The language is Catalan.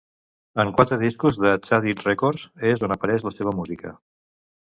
En quatre discos de Tzadik Records és on apareix la seva música.